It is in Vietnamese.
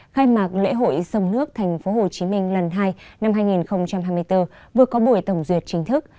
khai mạc lễ hội sông nước tp hcm lần hai năm hai nghìn hai mươi bốn vừa có buổi tổng duyệt chính thức